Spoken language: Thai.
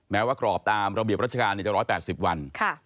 แม้ว่ากรอบตามระเบียบราชการจะ๑๘๐วัน